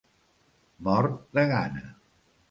Mort de gana.